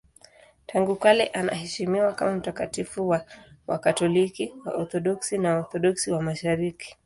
Tangu kale anaheshimiwa kama mtakatifu na Wakatoliki, Waorthodoksi na Waorthodoksi wa Mashariki.